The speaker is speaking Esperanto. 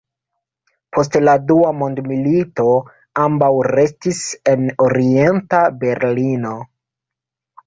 Post la Dua mondmilito ambaŭ restis en Orienta Berlino.